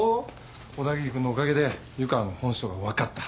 小田切君のおかげで湯川の本性が分かった。